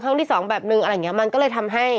ครั้งที่สองแบบหนึ่งมันก็เลยทำให้